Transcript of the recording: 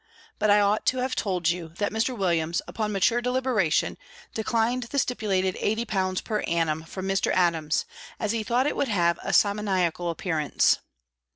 But I ought to have told you, that Mr. Williams, upon mature deliberation, declined the stipulated eighty pounds per annum from Mr. Adams, as he thought it would have a simoniacal appearance.